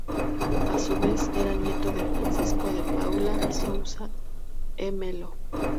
A su vez, era nieto de Francisco de Paula Sousa e Melo.